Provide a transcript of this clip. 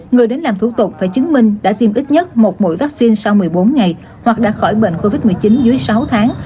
người đến làm thủ tục phải chứng minh đã tiêm ít nhất một mũi vaccine sau một mươi bốn ngày hoặc đã khỏi bệnh covid một mươi chín dưới sáu tháng